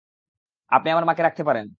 আপনি আমার মাকে রাখতে পারেন।